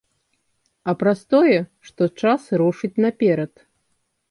А праз тое, што час рушыць наперад.